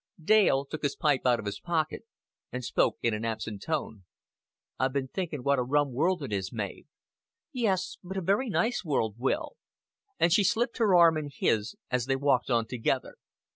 Dale took his pipe out of his pocket, and spoke in an absent tone. "I've been thinking what a rum world it is, Mav." "Yes, but a very nice world, Will;" and she slipped her arm in his, as they walked on together.